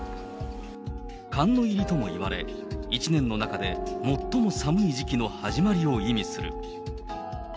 寒の入りともいわれ、一年の中で最も寒い時期の始まりを意味する。